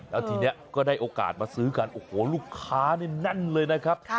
แล้วทีนี้ก็ได้โอกาสมาซื้อกันโอ้โหลูกค้านี่แน่นเลยนะครับ